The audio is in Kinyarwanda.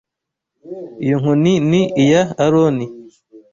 Iyo nkoni ni iya Aroni